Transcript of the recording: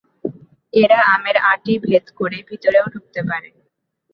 এরা আমের অাঁটি ভেদ করে ভিতরেও ঢুকতে পারে।